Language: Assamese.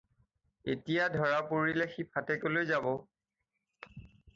এতিয়া ধৰা পৰিলে সি ফাটেকলৈ যাৰ।